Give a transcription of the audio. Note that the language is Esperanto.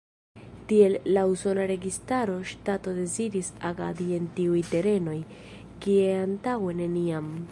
Tiel la usona registaro, ŝtato deziris agadi en tiuj terenoj, kie antaŭe neniam.